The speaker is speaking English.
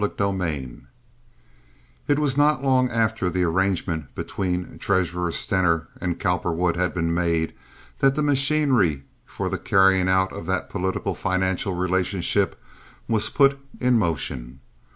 Chapter XVI It was not long after the arrangement between Treasurer Stener and Cowperwood had been made that the machinery for the carrying out of that political financial relationship was put in motion.